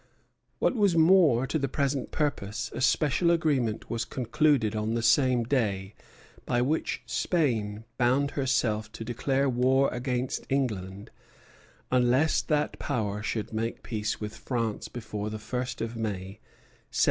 What was more to the present purpose, a special agreement was concluded on the same day, by which Spain bound herself to declare war against England unless that Power should make peace with France before the first of May, 1762.